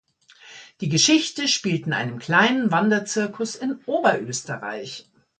Die Geschichte spielt in einem kleinen Wanderzirkus in Oberösterreich.